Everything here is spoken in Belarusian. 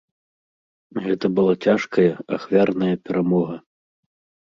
Гэта была цяжкая, ахвярная перамога.